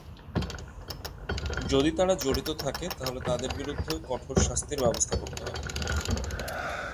যদি তারা জড়িত থাকে, তাহলে তাদের বিরুদ্ধেও কঠোর শাস্তির ব্যবস্থা করতে হবে।